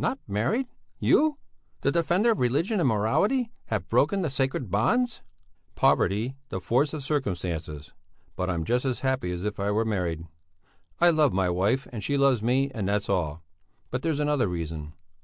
"Not married! You! The defender of religion and morality, have broken the sacred bonds!" "Poverty, the force of circumstances! But I'm just as happy as if I were married! I love my wife and she loves me, and that's all. But there's another reason.